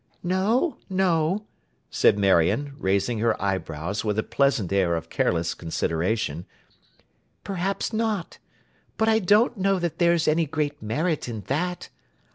'No no,' said Marion, raising her eyebrows with a pleasant air of careless consideration, 'perhaps not. But I don't know that there's any great merit in that.